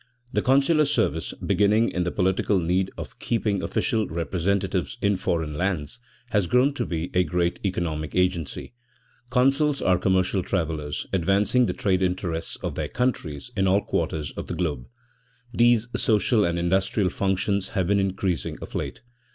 The consular service, beginning in the political need of keeping official representatives in foreign lands, has grown to be a great economic agency. Consuls are commercial travelers, advancing the trade interests of their countries in all quarters of the globe. These social and industrial functions have been increasing of late.